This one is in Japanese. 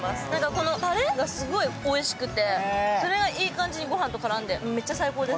このたれがすごいおいしくてそれがいい感じにご飯と絡んでめっちゃ最高です。